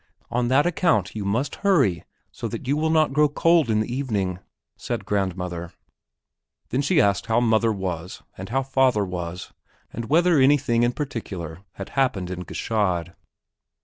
On that account you must hurry so that you will not grow too cold in the evening," said grandmother. Then she asked how mother was and how father was, and whether anything particular had happened in Gschaid.